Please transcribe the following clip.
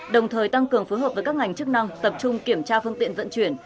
đồng thời tăng cường phối hợp với các ngành chức năng tập trung kiểm tra phương tiện vận chuyển